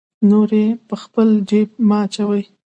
نورې په خپل جیب مه اچوه.